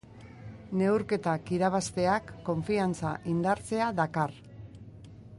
Neurketak irabazteak konfiantza indartzea dakar.